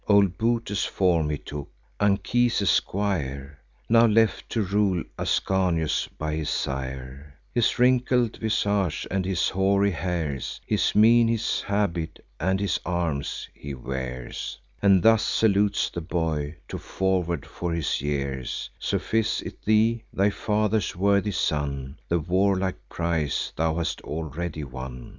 Old Butes' form he took, Anchises' squire, Now left, to rule Ascanius, by his sire: His wrinkled visage, and his hoary hairs, His mien, his habit, and his arms, he wears, And thus salutes the boy, too forward for his years: "Suffice it thee, thy father's worthy son, The warlike prize thou hast already won.